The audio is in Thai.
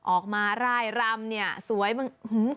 มาร่ายรำเนี่ยสวยมาก